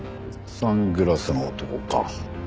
サングラスの男か。